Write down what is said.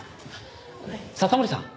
笹森さん。